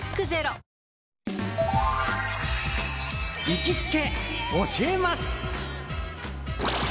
行きつけ教えます！